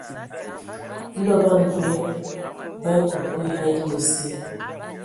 Ndɔ ban mvoe bə akə kwi a ele asi.